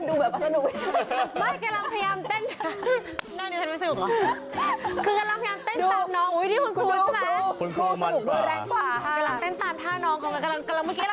ที่เราในยุคเหล่านั้นเล่นกันก็จะเป็นแบบ